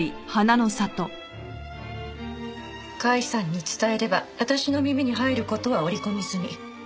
甲斐さんに伝えれば私の耳に入る事は織り込み済み。